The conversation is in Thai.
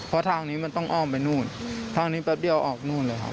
เพราะทางนี้มันต้องอ้อมไปนู่นทางนี้แป๊บเดียวออกนู่นเลยครับ